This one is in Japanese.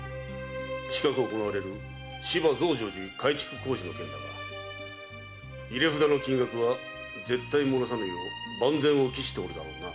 近く行われる芝増上寺の改築工事の件だが入れ札の金額は絶対もらさぬよう万全を期しておるだろうな？